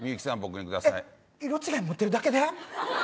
色違い持ってるだけで。